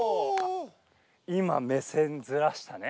今目線ずらしたね。